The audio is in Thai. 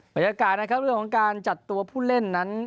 บรรยากาศนะครับเรื่องของการจัดตัวผู้เล่นนั้น